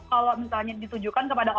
kalau misalnya ditujukan kepada orang lain